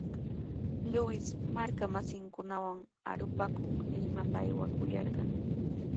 Luis marka masinkunawan arupakuq Limapa aywakuyarqan.